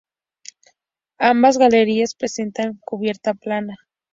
Ambas galerías presentan cubierta plana.